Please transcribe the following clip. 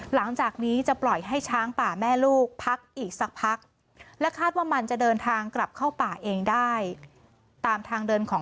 หลังจากนี้จะปล่อยให้ช้างป่าแม่ลูกพักอีกสักพัก